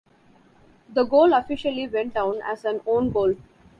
The goal officially went down as an own goal.